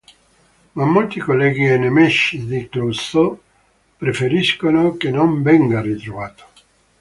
Ma molti colleghi e nemici di Clouseau preferiscono che non venga ritrovato.